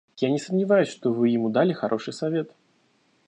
Я не сомневаюсь, что Вы ему дали хороший совет.